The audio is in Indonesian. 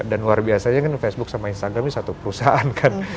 dan luar biasanya kan facebook sama instagram ini satu perusahaan kan